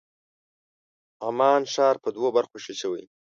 عمان ښار په دوو برخو وېشل شوی.